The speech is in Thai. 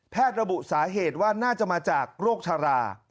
ระบุสาเหตุว่าน่าจะมาจากโรคชารา